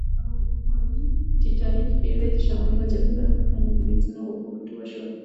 د ټیټانیک بېړۍ د شمالي منجمند بحر په کنګلیزو اوبو کې ډوبه شوه